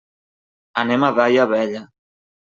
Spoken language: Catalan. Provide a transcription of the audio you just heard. Anem a Daia Vella.